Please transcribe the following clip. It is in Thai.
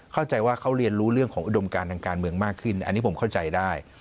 เข้าใจว่าเขาเรียนรู้เรื่องของอุดมการทางการเมืองมากขึ้นอันนี้ผมเข้าใจได้